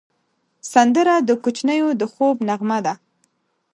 سندره د کوچنیو د خوب نغمه ده